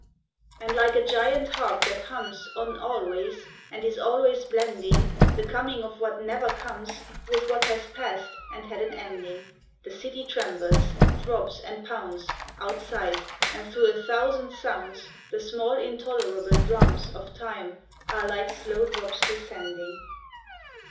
And like a giant harp that hums On always, and is always blending The coming of what never comes With what has past and had an ending, The City trembles, throbs, and pounds Outside, and through a thousand sounds The small intolerable drums Of Time are like slow drops descending.